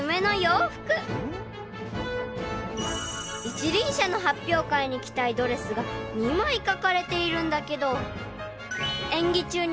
［一輪車の発表会に着たいドレスが２枚描かれているんだけど］